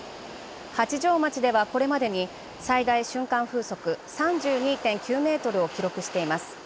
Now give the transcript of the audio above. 八丈町ではこれまでに最大瞬間風速３２．９メートルを記録しています。